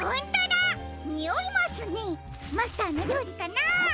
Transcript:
マスターのりょうりかな？